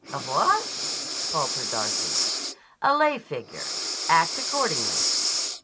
"A what?" faltered Darcy. "A lay figure. Act accordingly."